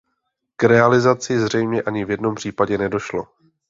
K realizaci zřejmě ani v jednom případě nedošlo.